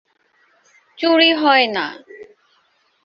‘চুরি হয় না।’